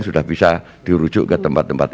sudah bisa dirujuk ke tempat tempat